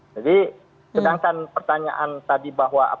jadi sedangkan pertanyaan tadi bahwa